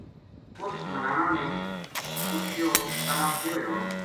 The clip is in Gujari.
اُس ملانا نے پُچھیو تَنا کے ہویو